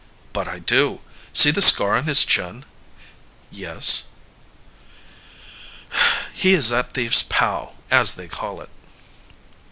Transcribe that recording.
"But I do! See the scar on his chin?" "Yes." "He is that thief's pal, as they call it."